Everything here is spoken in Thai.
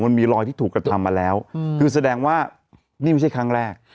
มันมีรอยที่ถูกกระทำมาแล้วคือแสดงว่านี่ไม่ใช่ครั้งแรก